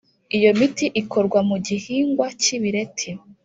Iyo miti ikorwa mu gihingwa cy’ibireti